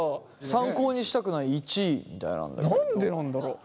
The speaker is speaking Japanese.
参考にしたくない１位みたいなんだけど。